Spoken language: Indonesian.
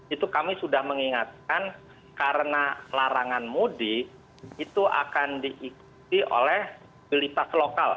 itu kami sudah mengingatkan karena larangan mudik itu akan diikuti oleh mobilitas lokal